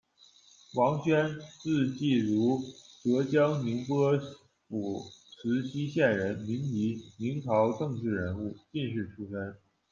王荁，字季孺，浙江宁波府慈溪县人，民籍，明朝政治人物、进士出身。